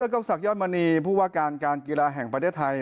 กองศักดิยอดมณีผู้ว่าการการกีฬาแห่งประเทศไทย